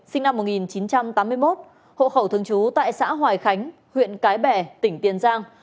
sinh năm một nghìn chín trăm tám mươi một hộ khẩu thường trú tại xã hoài khánh huyện cái bè tỉnh tiền giang